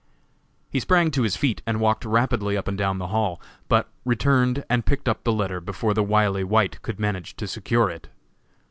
He sprang to his feet and walked rapidly up and down the hall; but returned and picked up the letter before the wily White could manage to secure it.